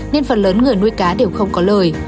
nên phần lớn người nuôi cá đều không có lời